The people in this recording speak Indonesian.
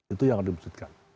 itu yang harus dimusikkan